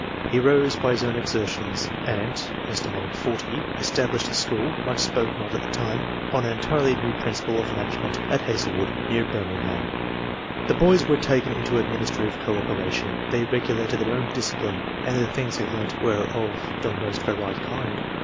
He rose by his own exertions, and (aet. 40) estab lished a school, much spoken of at the time, on an entirely new principle of management at Hazel E 2 52 ENGLISH MEN OF SCIENCE. [chap. wood, near Birmingham. The boys were taken into administrative co operation ; they regulated their own discipline, and the things they learnt were of the most varied kind.